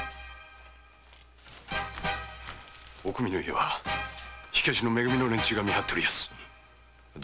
おくみの家は火消しのめ組のヤツが見張ってます。